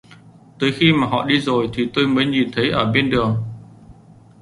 Tới khi mà họ đi rồi thì tôi mới nhìn thấy ở bên đường